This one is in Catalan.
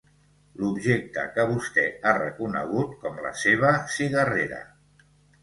L'objecte que vostè ha reconegut com la seva cigarrera.